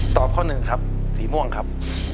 ข้อหนึ่งครับสีม่วงครับ